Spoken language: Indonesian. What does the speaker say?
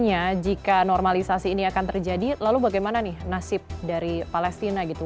artinya jika normalisasi ini akan terjadi lalu bagaimana nih nasib dari palestina gitu